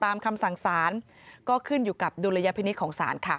คำสั่งสารก็ขึ้นอยู่กับดุลยพินิษฐ์ของศาลค่ะ